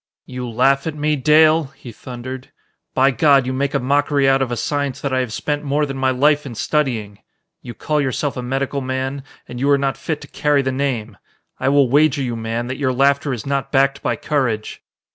"You laugh at me, Dale," he thundered. "By God, you make a mockery out of a science that I have spent more than my life in studying! You call yourself a medical man and you are not fit to carry the name! I will wager you, man, that your laughter is not backed by courage!"